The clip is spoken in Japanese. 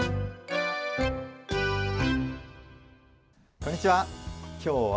こんにちは。